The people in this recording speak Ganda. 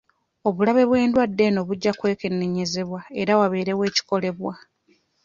Obulabe bw'endwadde eno bujja kwekenneenyezebwa era wabeerewo ekikolebwa.